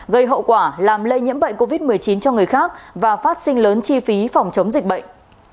gây hậu quả làm lây nhiễm bệnh covid một mươi chín cho người khác và phát sinh lớn chi phí phòng chống dịch bệnh